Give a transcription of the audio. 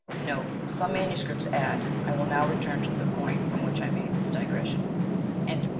* Some MSS. add, I will now return to the point from which I made this digression.